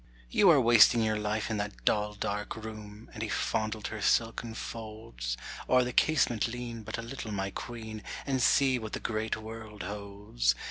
"You are wasting your life in that dull, dark room (And he fondled her silken folds), O'er the casement lean but a little, my Queen, And see what the great world holds.